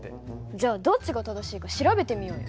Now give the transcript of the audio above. じゃあどっちが正しいか調べてみようよ。